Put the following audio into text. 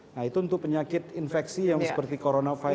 nah itu untuk penyakit infeksi yang seperti coronavirus